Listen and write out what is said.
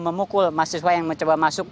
memukul mahasiswa yang mencoba masuk